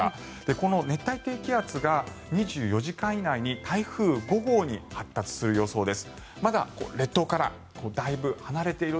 この熱帯低気圧が２４時間以内に台風５号に発達する予想です。